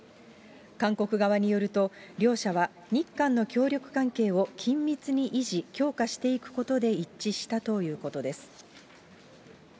韓国側によると、両者は日韓の協力関係を緊密に維持、強化していくことで一致したということです。